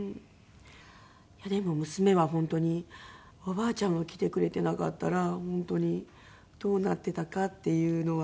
でも娘は本当におばあちゃんが来てくれていなかったら本当にどうなっていたかっていうのは。